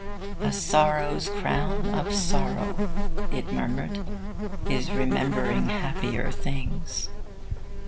'A sorrow's crown of sorrow,' it murmured, 'is remembering happier things.'